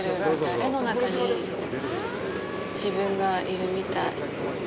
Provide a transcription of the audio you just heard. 絵の中に自分がいるみたい。